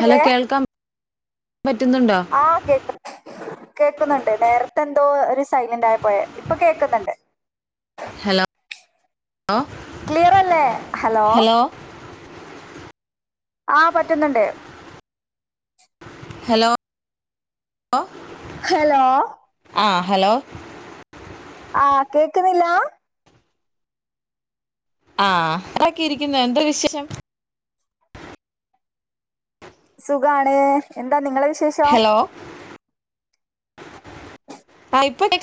Hello കേൾക്കാം ആഹ് കേക്ക കേക്കുന്നുണ്ട് നേരത്തെ എന്തോ ഒരു സൈലന്റ് ആയി പോയ ഇപ്പൊ കേൾക്കുന്നുണ്ട് ഹലോ ക്ലിയർല്ലേ ഹലോ ആ പറ്റുന്നുണ്ട് ഹലോ ഹലോ ആ ഹലോ ആഹ് കേക്കുന്നില്ല ആഹ് അതാക്കി ഇരിക്കുന്നു എന്താ വിശേഷം സുഖാണ് എ- എന്താ നിങ്ങളെ വിശേഷം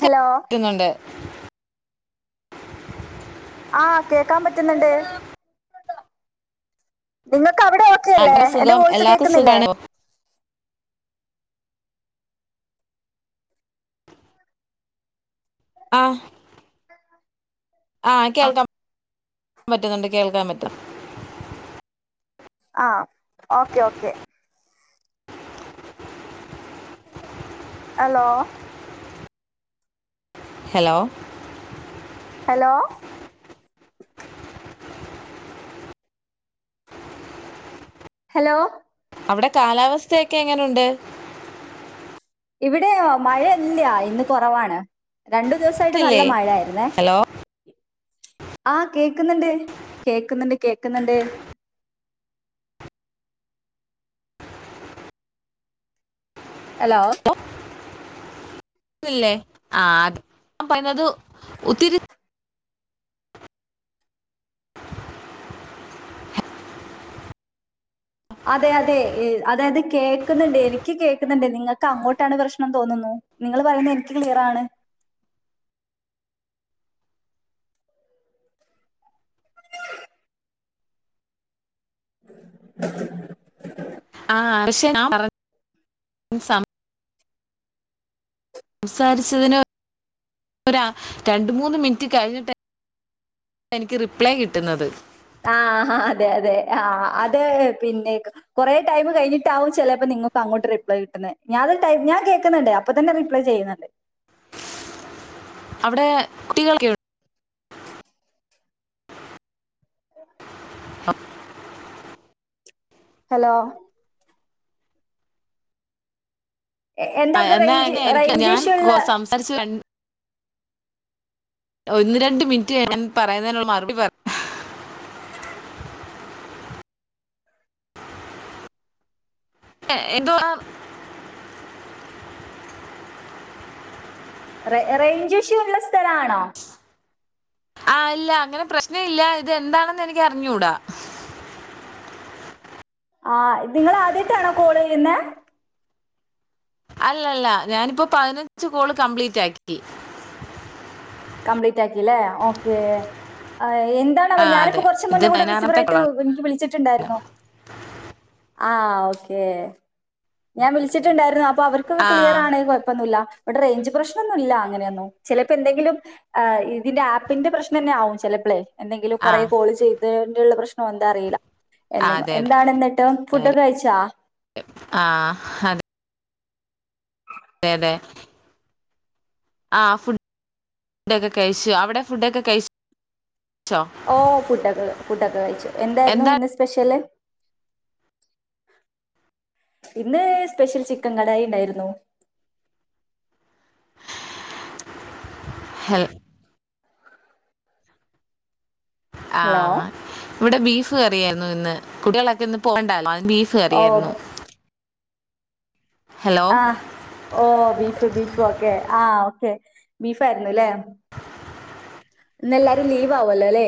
ഹലോ ആഹ് കേക്കാൻ പറ്റുന്നുണ്ട് നിങ്ങ- അവിടെ ആ, ഓക്കെല്ലേ ഇവിടെ എന്റെ സുഖം വോയ്സ് എല്ലാവർക്കും കേൾക്കുന്നില്ലേ സുഖമാണ് ആഹ് ആ ആഹ് കേൾക്കാം ൻ പറ്റുന്നുണ്ട് കേൾക്കാൻ പറ്റും ആഹ് okay okay hello hello hello hello അവിടെ കാലാവസ്ഥയൊക്കെ എങ്ങനുണ്ട് ഇവിടെ മഴല്ല ഇന്ന് കൊറവാണ് രണ്ടു ദിവസായിട്ട് നല്ല ഇല്ലേ മഴ ആയിരുന്നേ ഹലോ ആ കേക്കുന്നുണ്ട് കേക്കുന്നുണ്ട് കേക്കുന്നുണ്ട് എലോ ല്ലേ ആ അ ഞാൻ പറയുന്നത് ഒത്തിരി അതെ അതെ അതായത് കേക്കുന്നുണ്ട് എനിക്ക് കേക്കുന്നുണ്ട് നിങ്ങൾക്ക് അങ്ങോട്ടാണ് പ്രശ്നം ന്നു തോന്നുന്നു നിങ്ങൾ പറയുന്നത് എനിക്ക് ക്ലിയറാണ് ആഹ് അശ് ആഹ് പറ സംസാരിച്ചതിന് ഒര രണ്ട് മൂന്ന് മിനിറ്റ് കഴിഞ്ഞിട്ട് ആ എനിക്ക് റിപ്ലൈ കിട്ടുന്നത് ആഹ് അതെ അതെ ആ അത് പിന്നെ കൊറെ ടൈം കഴിഞ്ഞിട്ടാവും ചിലപ്പോ നിങ്ങക്ക് അങ്ങോട്ട് റിപ്ലൈ കിട്ടുന്നത് ഞാൻ കേക്കുന്നുണ്ട് അപ്പൊ തന്നെ റിപ്ലൈ ചെയ്യുന്നുണ്ട് അവിടെ കുട്ടികൾ ഒക്കെയു ഹലോ എ- എന്താ ആ അവിടെ എന്നാ റേഞ്ച് അങ്ങനെ ആയിരിക്കും റേഞ്ച് ഞാൻ ഇഷ്യൂ ഉള്ള സംസാരിച്ച് കഴിഞ്ഞ് ഒന്ന് രണ്ട് മിനിറ്റ് ഞാൻ പറയുന്നേനുള്ള മറുപടി പറ എന്തുവാ റേ റേഞ്ച് ഇഷ്യൂ ഉള്ള സ്ഥ ലത്തിലാണോ ആഹ് ഇല്ല അങ്ങനെ പ്രശ്നം ഇല്ല ഇതെന്താണെന്ന് എനിക്ക് അറിഞ്ഞൂടാ ആ നിങ്ങള് ആദ്യായിട്ടാണോ കോൾ ചെയ്യുന്നെ അല്ലല്ല ഞാനിപ്പോ പതിനഞ്ച് കോള് കംപ്ലീറ്റ് ആക്കി കംപ്ലീറ്റ് ആക്കില്ലേ ഓക്കേ എന്താണാവ ആ ഞാനിപ്പോ അതെ കുറച്ച് ഇത് മുന്നേ കൂടെ പതിനാറാമത്തെ റിസീവറായിട്ട് കോളാണ് എനിക്ക് വിളിച്ചിട്ടുണ്ടായിരുന്നു ആ ഓക്കേ ഞാൻ വിളിച്ചിട്ടുണ്ടായിരുന്നു അപ്പൊ അവർക്കത് ആ ക്ലിയർ ആണേൽ കുഴപ്പൊന്നുമില്ല ഇവിടെ റേഞ്ച് പ്രശ്നൊന്നുമില്ല അങ്ങനെയൊന്നും ചിലപ്പോ എന്തെങ്കിലും ആ ഇ ഇതിന്റെ ആപ്പിന്റെ പ്രശ്നം തന്നെ ആവും ചിലപ്പളേ എന്തെങ്കിലും ആ കുറെ കോൾ ചെയ്ത് ഉള്ള പ്രശ്നം എന്താ അറിയില്ല ആ എന്നെങ്ങോ അതെ അതെ എന്താണ് എന്നിട്ട് ഫുഡൊക്കെ അതെ കഴിച്ചാ ആ അതെ അതെ അതെ ആ ഫുഡ് ഫുഡൊക്കെ കഴിച്ചു അവിടെ ഫുഡൊക്കെ കഴിച്ചൊ ഓ ഫുഡൊക്കെ ഫുഡൊക്കെ കഴിച്ചു എന്തായിരുന്നു എന്താ ഇന്ന് സ്പെഷ്യല് ഇന്ന് സ്പെഷ്യൽ ചിക്കൻ കടായി ഉണ്ടായിരുന്നു ഹലൊ ഹലോ ആഹ് ഇവിടെ ബീഫ് ഫ് കറിയാരുന്നു ഇന്ന് കുട്ടികളൊക്കെ ഇന്ന് പോകണ്ടാരുന്നോ ബീഫ് കറിയായിരുന്നു ഓ ഹലോ ആഹ് ഓ ബീഫ് ബീഫും ഒക്കെ ആഹ് ഓക്കെ ബീഫായിരുന്നു ഇല്ലേ ഇന്ന് എല്ലാരും ലീവ് ആവുമല്ലോ ല്ലേ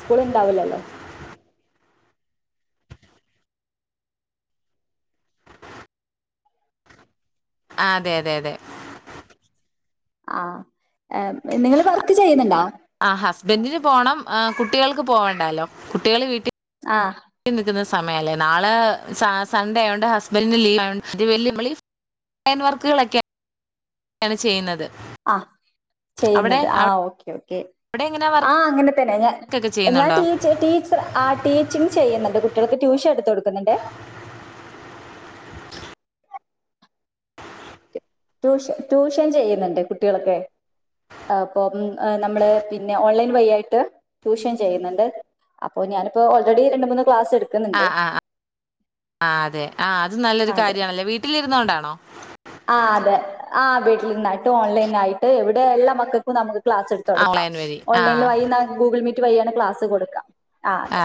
സ്കൂള് ഇണ്ടാവില്ലല്ലോ ആ അതെ അതെ അതെ ആ ഏ നിങ്ങൾ വർക്ക് ചെയ്യുന്നുണ്ടോ ആഹ് ഹസ്ബന്റിന് പോണം ഹ് കുട്ടികൾക്ക് പോവണ്ടാല്ലോ കുട്ടികൾ വീട്ടിൽ ആഹ് നിക്കുന്ന സമയല്ലേ നാളെ സ സൺഡേ ആയതോണ്ട് ഹസ്ബന്റിന് ലീവ് ആയോണ്ട് അത് വെൽയേ നമ്മളീ ഹാൻഡ് വർക്കുകളൊക്കെ ക്കെയാണ് ചെയ്യുന്നത് ആഹ് അവിടെ ചെയ്യുന്നത് ആഹ് ഓക്കെ ഓക്കെ കെ അവിടെ എങ്ങനെ ആഹ് അങ്ങനെക്കെ തന്നെ ഞാ വർക്കൊക്കെ ഞാൻ ചെയ്യുന്നുണ്ടോ ടീച് ടീച്റാ ആ ടീച്ചിംഗ് ചെയ്യ്ന്ന് കുട്ടികൾക്ക് ട്യൂഷൻ എട്ത്ത് കൊടുക്ക്ന്ന്ണ്ടേ ട്യൂഷൻ ട്യൂഷൻ ചെയ്യ്ന്ന്ണ്ട് കുട്ടികൾക്കെയ് അപ്പം നമ്മള് പിന്നെ ഓൺലൈൻ വഴിയായിട്ട് ട്യൂഷൻ ചെയ്യ്ന്ന്ണ്ട് അപ്പോ ഞാനിപ്പോ ഓൾറെഡി രണ്ട് മൂന്ന് ക്ലാസ് ആ എടുക്കുന്നുണ്ട് ആ ആ അതെ ആ അ ത് നല്ലൊരു അതെ കാര്യാണല്ലേ വീട്ടിലിര്ന്ന്കൊണ്ടാണോ ആ അതെ ആ വീട്ടിലിര്ന്നായിട്ട് ഓൺലൈനായിട്ട് ഇവ്ടെ എല്ലാ മക്കക്കും നമക് ക്ലാസെട്ത് ആ കൊട്ക്കാം ഓൺലൈൻ വഴി ആ ഓൺലൈൻ വയി ഗൂഗ്ൾ മീറ്റ് വഴിയാണ് ക്ലാസ് കൊട്ക ആ അതെ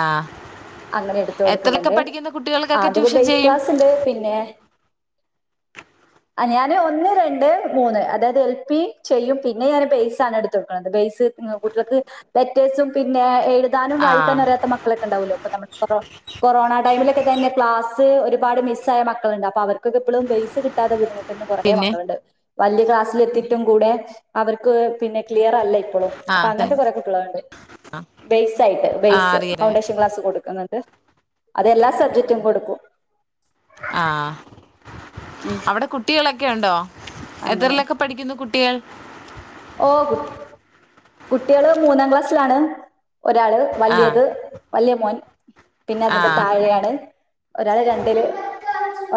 അങ്ങനെ എട്ത്ത് എത്രയൊക്കെ കൊട്ക്ക്ന്ന്ണ്ട് പഠിക്കുന്ന കുട്ടികൾക്കൊക്കെ അത്പ്പൊ ട്യൂഷൻ ബേസ് ചെയ്യും ക്ലാസ്ണ്ട് പിന്നെ ഞാന് ഒന്ന് രണ്ട് മൂന്ന് അതായത് എൽപി ചെയ്യും പിന്നെ ഞാൻ ബേസാണ് എട്ത്ത്കൊട്ക്ക്ണത് ബേസ് കുട്ടികൾക്ക് ലെറ്റേസും പിന്നെ എഴ് താനും ആ വായിക്കാനും അറിയത്ത മക്കളൊക്കെണ്ടാവോലോ നമ്മ കൊ കൊറോണ ടൈമിലൊക്കെ തന്നെ ക്ലാസ് ഒരുപാട് മിസ് ആയ മക്കളുണ്ട് അപ്പൊ അവർക്കൊക്കെ പ്പളും ബേയ്സ് കി ട്ടാത്ത ബുദ്ധിമുട്ട് ന്ന കൊറേ പിന്നെ മക്കള്ണ്ട് വല്യ ക്ലാസ് സ്സിലെത്തിട്ടും കൂടെ അവർക്ക് പിന്നെ ക്ലിയർ അല്ല പ്പളും ആ അപ്പൊ ത- അങ്ങനത്തെ കൊറേ കുട്ട്യാള്ണ്ട് ആ, ബേസ് ആയിട്ട് ആ ബേസ് അറിയാം ഫൗണ്ടേഷൻ ക്ലാസ് കൊട്ക്ക്ന്ന്ണ്ട് അതെല്ലാ സബ്ജക്റ്റും കൊട്ക്കും ആ അവിടെ കുട്ടികളൊ ക്കെ ഒണ്ടോ അങ്ങനെ എത്രെലൊക്കെ പഠിക്കുന്നു കുട്ടികൾ ഓ കു കുട്ട്യാള് മൂന്നാം ക്ലാസ്സിലാണ് ഒരാള് ആ വല്ല്യേത് വല്ല്യേ മോൻ ഉം പിന്നെ ആ അതിന്റെ താഴെയാണ് ഒരാള് രണ്ടില്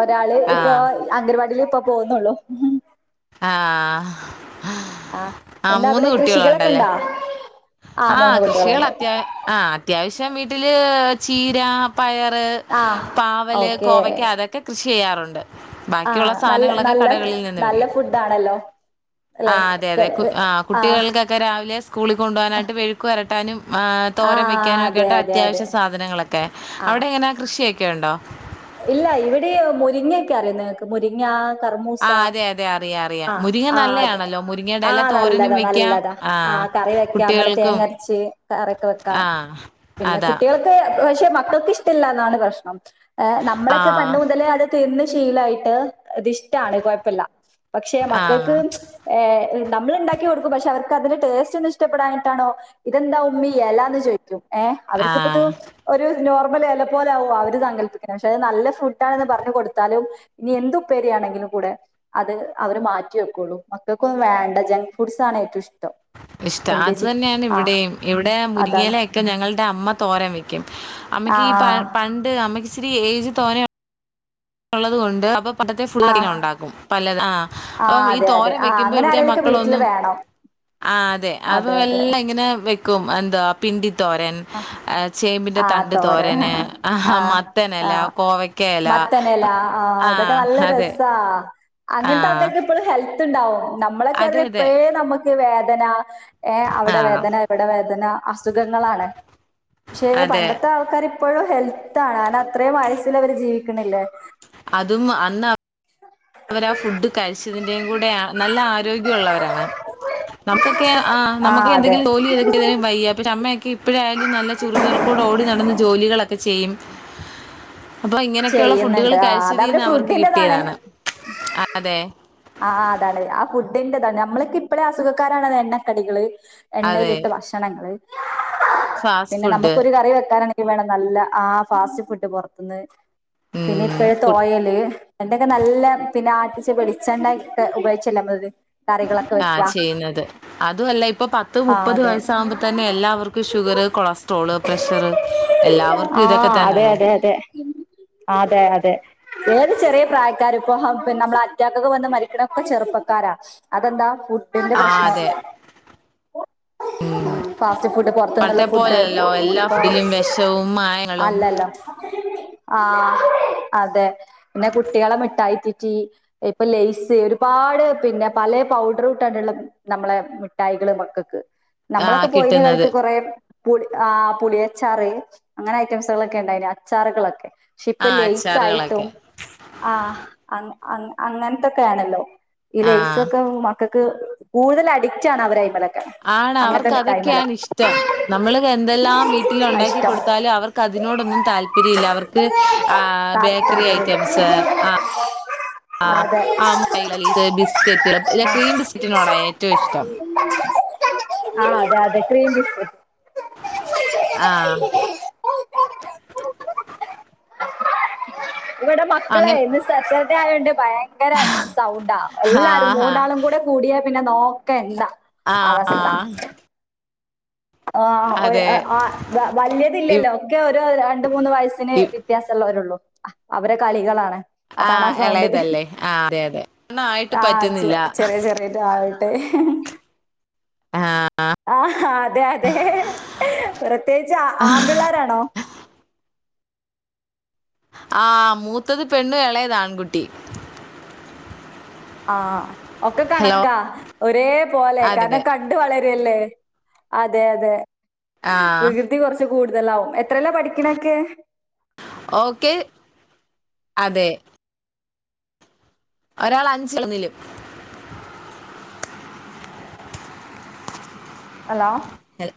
ഒരാള് ആ ഇപ്പോ അംഗനവാടീല് പ്പ പോക്ന്നൊള്ളൂ ആ ആ എന്താ മൂന്ന് അവിടെ കുട്ടികളുണ്ടല്ലേ കൃഷികളൊക്കെണ്ടോ ആ കൃഷികളത്യാ ആ അത്യാവശ്യം വീട്ടില് ചീര പയറ് ആ പാവല് ഓക്കെ കോവയ്ക്ക അതൊക്കെ കൃഷി ചെയ്യാറുണ്ട് ആ ബാക്കിയുള്ള നല്ല സാനങ്ങളൊക്കെ നല്ല കടകളിൽ നിന്ന് നല്ല വേടിക്കും ഫുഡ് ആണല്ലോ ആ അല്ലെ അതെ അതെ കു ആ കുട്ടികൾക്കൊക്കെ രാവിലെ സ്കൂളി കൊണ്ടുവാനായ്ട്ട് മെയ്ക്കുവര ട്ടാനും ആ തോരൻ അതെ വെയ്ക്കാനൊക്കെയ്ട്ട് അതെ അതെ അത്യാവശ്യസാധനങ്ങളൊക്കെ ആ അവിടെങ്ങനാ കൃഷിയൊക്കെണ്ടോ,? ഇല്ല ഇവിടെ മുരിങ്ങക്കെ അറിയോനിങ്ങക്ക് മുരിങ്ങ കർമൂസ ആഹ് അതെ അതെ അറിയാം അറിയാം ആ മുരിങ്ങ ആ അ നല്ലയാണല്ലോ മുരിങ്ങയുടെ എല തോരനും ആനല്ലതാ വെക്കാം നല്ലതാ ആഹ് കറി ആ വെക്കാം നല്ല കുട്ടികൾക്കും തേങ്ങരച്ച് കറിക്കെ വെക്കാം ആഹ് പിന്നെ അതാ കുട്ടികൾക്ക് പക്ഷെ ഇവക്കിഷ്ടല്ല ന്നാണ് പ്രശ്നം എ നമ്മളൊക്കെ ആഹ് പണ്ട് മുതലേ അത് തിന്ന് ശീലായിട്ട് ത്ഷ്ടാണ് കുഴപ്പല്ല്യ പക്ഷെ ആഹ് മക്കൾക്ക്ഏ നമ്മള് ണ്ടാക്കികൊടുക്കും പക്ഷെ അവർക്കതിന്റെ ട്ടേസ്റ്റൊന്നും ഇഷ്ടപ്പെടാഞ്ഞിട്ടാണോ ഇതെന്താ ഉമ്മി എലാ ന്ന് ചോയ്ക്കും ഏ അവർക്കിപ്പത് ആഹ് ഒരു നോർമെലെല പോല ആകുംഅവര് സങ്കൽപ്പിക്ക പക്ഷെ അത് നല്ല ഫുഡ് ആണെന്ന് പറഞ്ഞു കൊടുത്താലും ഇനി എന്തു ഉപ്പേരിയാണെങ്കിലും കൂടെ അത് അവർ മാറ്റിവെക്കുള്ളൂ മക്കൾക്കൊന്നും വേണ്ട ജങ്ക് ഫുഡ്സാണ് ഏറ്റവുംഷ്ട്ടം ഇഷ്ട അത് തന്നെയാണ് ഇവിടെയും ഇവിടെ അതാണ് മുരിങ്ങേല ഒക്കെ ഞങ്ങടെ അമ്മ തോരൻ വെക്കും അമ്മയ്ക്കീ പ ആഹ് പണ്ട് അമ്മക്ക് ഇച്ചിരി ഏജ് തോനെ ഉള്ളത് കൊണ്ട് അപ്പൊ പണ്ടത്തെ ആഹ് ഫുള്ളങ്ങനെണ്ടാക്കും പലത ആ ഓ ആഹ് വി ഈ അതെ അതെ തോരൻ ആഹ് വെക്കുമ്പോ അങ്ങനെ ഇവിടെ ആരേലൊക്കെ വീട്ടില് മക്കളൊന്നും വേണം ആ അതെ അപ്പ എല്ലാം ഇങ്ങനെ വെക്കും എന്താ പിണ്ടി തോരൻ ആ ചി ചേമ്പിന്റെ ആഹ് തണ്ടു തോരൻ തോരന് ആ ആഹ് മത്തനെല കോവയ്ക്കെല [unintelligible] ഇതൊക്കെ നല്ല രസാ അങ്ങൻ ത്തെ ആഹ് ആൾക്കാരൊക്കെ ഇപ്പളുംഹെൽ എത്ത്ണ്ടാവും നമ്മളൊക്കെർഞ്ഞ അതെ അതെ. ഇപ്പഴേ നമ്മക്ക് വേ തന ഏ അവിടെ ആഹ് വേദന ഇവിടെ വേദന അസുഖങ്ങളാണ് ക്ഷെ അതെ. പണ്ടത്തെ ആൾക്കാര് എപ്പോഴും ഹെൽത്താണ് അന അത്രയും വയസ്സില് അവര് ജീവിക്ക്ണ്ല്ലേ അതും അന്ന അവരാ ആ ഫുഡ് കഴിച്ചതിന്റെയും കൂടെ ആ നല്ല ആരോഗ്യള്ളവരാണ് നമുക്കൊക്കെ ആ നമുക്ക് ആഹ് അതെ എന്തെങ്കിലും ജോലി ചെയ്തെങ്കില് വയ്യെ അമ്മ ഇപ്പഴായാലും നല്ല ചുറു ചുറക്കോട ഓടി നടന്ന് ജോലികളൊ ക്കെ ചെയ്യും അപ്പൊ ഇങ്ങനെയൊക്കെയുള്ള ഫുഡുകൾ ചെയ്യുന്നുണ്ട് ആഹ് അതവരെ കഴിച്ചതിൽന്ന് അവർക്ക് ഫുഡിന്റെതാണ് കിട്ടിയതാണ് [unintelligible] ആഹ അതാണ് ആ ഫുഡിന്റെതാണ് നമ്മളൊക്കെ ഇപ്പോഴേ അസുഖക്കാരാണ് എണ്ണക്കടികള് അതെ എണ്ണയിലിട്ട് ഭക്ഷണങ്ങള് ഫാസ്റ്റ് പിന്നെ ഫുഡ് നമുക്കൊരു കറി വെക്കാന ഇവണം നല്ല ആ ഫാസ്റ്റ് ഫുഡ് പൊറ്ത്ത്ന്ന് പിന്നെ ഉം ഇപ്പോഴത്തെ കു ഓയല് എന്റെക്കെ നല്ല പിന്നെ ആ [unintelligible] [unintelligible] ആഹ ചെയ്യുന്നത് അതുല്ല ഇ ഇപ്പ പത്ത് ആ മുപ്പത് അതെ വയസാകുമ്പോ തന്നെ എല്ലാവർക്കും ഷുഗർ കൊളസ്ട്രോള് പ്രഷർ എല്ലാവർക്കും ആ ഇതൊക്കെ അതെ തന്നെല്ലേ അതെ അതെ അതെ അതെ ഏത് ചെറിയ പ്രായക്കാ ഇപ്പോ പിന്നെ നമ്മള് അറ്റാക്കൊക്കെ വന്ന് മരിക്കണ ഒക്കെ ചെറുപ്പക്കാരാ അതെന്താ ഫുഡ് ആഹ് അതെ [unintelligible] ഉം ഫാസ്റ്റ് ഫുഡ് പൊറുത്തുന്നുള്ള പണ്ടത്തെ ഫുഡ് പോലെയല്ലല്ലോ എല്ലാ ഇപ്പൊ ഫുഡിലും വിഷവും മായങ്ങളും അല്ലല്ല ആ അതെ പിന്നെ കുട്ടികളെ മിട്ടായി തീറ്റി ഇപ്പൊ ലെയ്സ് ഒരുപാട് പിന്നെ പലെ പൗഡറ് ഇട്ടാണ്ടുള്ള നമ്മളെ മിഠായി [unintelligible] മക്കൾക്ക് നമ്മളൊക്കെ ആഹ് കിട്ടുന്നത് പോയിനകാലത്ത് കൊറെ പു ആ പുളി അച്ചാറ് അങ്ങനെ ഐറ്റംസുകളോക്കെ ഉണ്ടായിനി അച്ചാറുകളൊക്കെ ഇപ്പ ആഹ് ലെയ്സായിട്ടും അച്ചാറുകളൊക്കെ ആഹ അങ്ങ അ അങ്ങനത്തൊക്കെയാണല്ലോ ഇ ആഹ് ലയ്സൊക്കെ മക്കക്ക് കൂടുതൽ അഡിറ്റാണ് അവരയ് ആണ് അവർക്ക് അതൊക്കെയാണ് ഇഷ്ടം നമ്മള് എന്തെല്ലാം വീട്ടില് ആ ഉണ്ടാക്കി ഇഷ്ടം കൊടുത്താലും അവർക്ക് അതിനോടൊന്നും താല്പര്യല്ല അവർക്ക് ആ ബേക്കറി താല്പര്യം ഐറ്റംസ് ആ ആ അതെ ആ മുടാ ലയ്സ് ബിസ്കറ്റ് ല്ല ആ ക്രീം ബിസ്കറ്റിനോടാണ് ഏറ്റവും ഇഷ്ടം ആഹ അതെ അതെ ക്രീം ബിസ്ക്കറ്റ് ആ ഇവിടെ മക്കള് അങ്ങനെ ഇന്ന് സ്പഷൽ ണ്ട് [unintelligible] ഭയങ്കര സൗണ്ടാ എല്ലാരും ആഹ മൂന്നാളും കൂടെ കൂടിയ പിന്നെ നോക്കെണ്ട ആ ആ അതെ [unintelligible] ഇവ് വലിയതില്ലല്ലോ ക്ക [unintelligible] രണ്ട് മൂന്ന് വയസ്സിന് ഇവ് വ്യത്യാസമുള്ളവരുള്ളൂ അവരെ കളികളാണ് അതാണ് ആ ആഹ് സൗണ്ട്. ഇളയതല്ലേ ആ അതെ അതെ ഒന്നായിട്ട് ആ ചെ പറ്റുന്നില്ല ചെറിയ ചെറിയത് ആ ആഹ് ആ അതെ അതെ പ്രത്യേകിച്ച് അ ആമ്പിള്ളേരാണോ ആ മൂത്തത് പെണ്ണും ഇളയത് ആൺകുട്ടിയും ആഹ് ഒക്കെ ഹലോ കണക്കാ ഒരേ പോലെ അതെ കാരണം അതെ കണ്ട് വളര് അതെയല്ലേ അതെ അതെ ആ വികൃതി കുറച്ച് കൂ കൂടുതലാവും എത്രേലാ പഠിക്കണയൊക്കെ ഓക്കെ അതെ ഒരാൾ അഞ്ചിൽ ഒന്നിലും ഹലോ ഹൽ